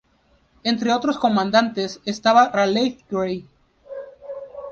Entre otros comandantes estaba Raleigh Grey.